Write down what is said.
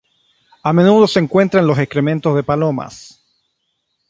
A menudo se encuentra en los excrementos de palomas.